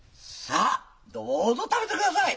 さどうぞ食べて下さい。